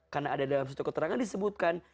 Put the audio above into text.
karena ada dalam suatu keterangan disebutkan